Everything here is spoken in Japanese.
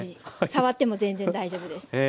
触っても全然大丈夫です。